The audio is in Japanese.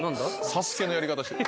『ＳＡＳＵＫＥ』のやり方してる。